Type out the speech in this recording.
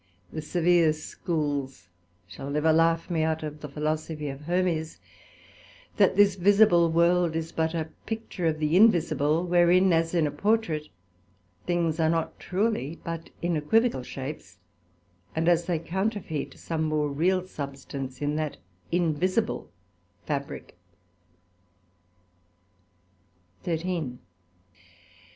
The severe Schools shall never laugh me out of the Philosophy of Hermes, that this visible World is but a Picture of the invisible, wherein as in a Pourtraict, things are not truely, but in equivocal shapes, and as they counterfeit some more real substance in that invisible Fabrick. SECT.